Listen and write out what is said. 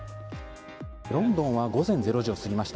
ロンドンは午前０時を過ぎました。